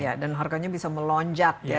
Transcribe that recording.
iya dan harganya bisa melonjak ya